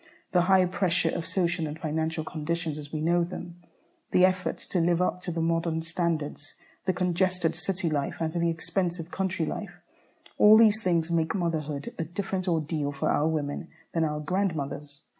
The high pressure of social and financial conditions, as we know them, the effort to live up to the modern standards, the congested city life and the expensive country life, all these things make motherhood a different ordeal for our women than our grandmothers.